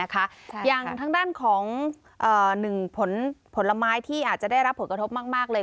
ทางด้านคุณหรือผลไม้ที่อาจจะได้รับผลกระทบมากเลย